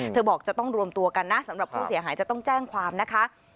บอกจะต้องรวมตัวกันนะสำหรับผู้เสียหายจะต้องแจ้งความนะคะ